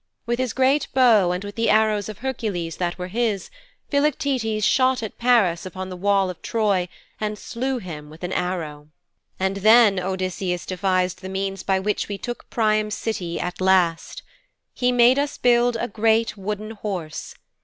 With his great bow and with the arrows of Hercules that were his, Philoctetes shot at Paris upon the wall of Troy and slew him with an arrow.' 'And then Odysseus devised the means by which we took Priam's city at last. He made us build a great Wooden Horse.